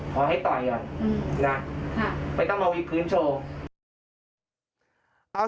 ขอให้ต่อยก่อนนะไม่ต้องมาวิกพื้นโชว์